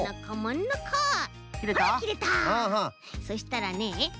そしたらねえ